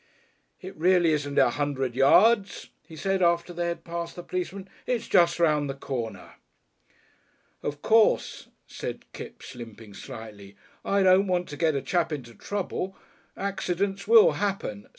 "It really isn't a hundred yards," he said after they had passed the policeman, "it's just round the corner." "Of course," said Kipps, limping slightly. "I don't want to get a chap into trouble. Accidents will happen.